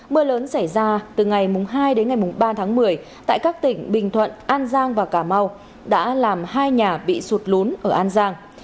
mưa lớn xảy ra từ ngày hai đến ngày ba tháng một mươi tại các tỉnh bình thuận an giang và cà mau đã làm hai nhà bị sụt lún ở an giang